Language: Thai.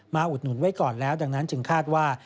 อุดหนุนไว้ก่อนแล้วดังนั้นจึงคาดว่า